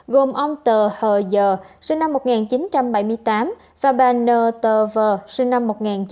gồm ông tờ hờ dờ sinh năm một nghìn chín trăm bảy mươi tám và bà nờ tờ vờ sinh năm một nghìn chín trăm bảy mươi chín